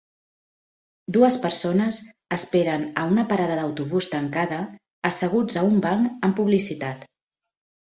Dues persones esperen a una parada d'autobús tancada asseguts a un banc amb publicitat.